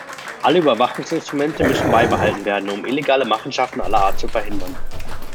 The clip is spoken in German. Alle Überwachungsinstrumente müssen beibehalten werden, um illegale Machenschaften aller Art zu verhindern.